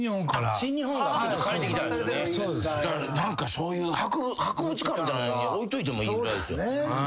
そういう博物館みたいなのに置いといてもいいぐらいですよ。